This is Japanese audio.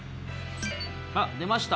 あっ出ました